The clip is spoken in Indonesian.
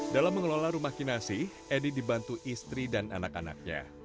dalam mengelola rumah kinasi edi dibantu istri dan anak anaknya